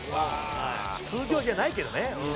「通常じゃないけどね」